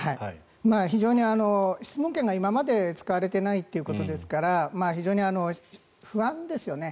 非常に質問権が今まで使われていないということですから非常に不安ですよね。